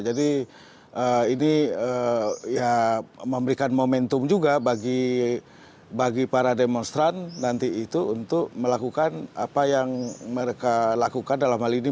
jadi ini ya memberikan momentum juga bagi para demonstran nanti itu untuk melakukan apa yang mereka lakukan dalam hal ini